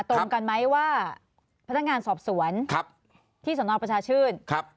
ตรงกันไหมว่าพันธการสอบสวนครับที่สนอบประชาชื่นครับ